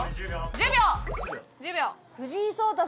１０秒！